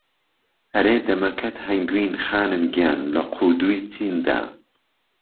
ئهرێ دهمهکهت ههنگوین خانم گیان له قودوی چیندا